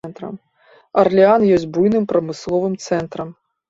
Арлеан ёсць буйным прамысловым цэнтрам.